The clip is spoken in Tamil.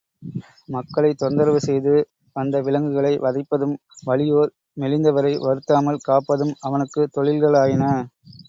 மக்களைத் தொந்தரவு செய்து வந்த விலங்குகளை வதைப்பதும் வலியோர் மெலிந்தவரை வருத்தாமல் காப்பதும் அவனுக்குத் தொழில்களாயின.